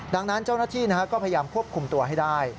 ดังนั้นเจ้าหน้าที่ก็พยายามควบคุมตัวให้ได้